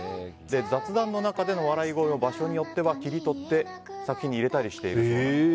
雑談の中での笑い声も場所によっては切り取って作品に入れたりしていると。